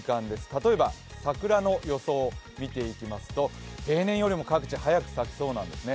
例えば桜の予想を見ていきますと平年よりも各地早く咲きそうなんですね。